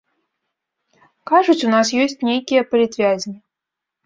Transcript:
Кажуць, у нас ёсць нейкія палітвязні.